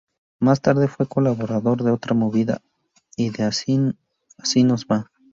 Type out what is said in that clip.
Más tarde, fue colaborador de "Otra movida" y de "Así nos va".